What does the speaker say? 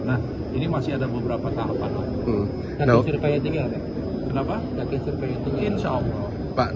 nah ini masih ada beberapa tahapan